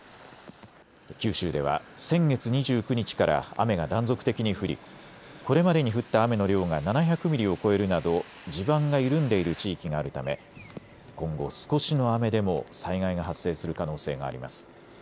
九州では先月２９日から雨が断続的に降りこれまでに降った雨の量が７００ミリを超えるなど地盤が緩んでいる地域があるため今後少しの雨でも災害が発生する可能性があります。